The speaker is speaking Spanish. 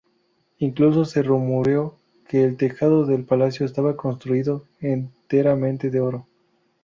Incluso se rumoreó que el tejado del palacio estaba construido enteramente de oro.